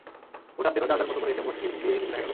ভোটারদেরও যার যার মতো করে এসে ভোট দিয়ে যেতে দেখা গেল।